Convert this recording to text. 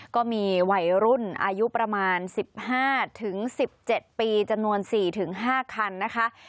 ก็มีวัยรุ่นอายุประมาณ๑๕๑๗ปีจำนวน๔๕คันนะคะ